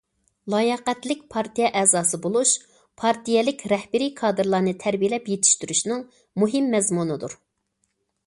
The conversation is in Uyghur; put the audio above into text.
لاياقەتلىك پارتىيە ئەزاسى بولۇش پارتىيەلىك رەھبىرىي كادىرلارنى تەربىيەلەپ يېتىشتۈرۈشنىڭ مۇھىم مەزمۇنىدۇر.